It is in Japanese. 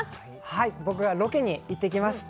はい僕がロケに行ってきました